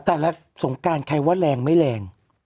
แต่แล้วสงการใครว่าแรงไม่แรง